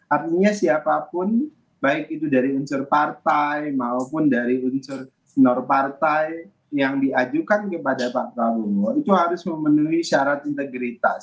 artinya siapapun baik itu dari unsur partai maupun dari unsur senor partai yang diajukan kepada pak prabowo itu harus memenuhi syarat integritas